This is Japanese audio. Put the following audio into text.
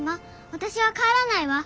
私は帰らないわ。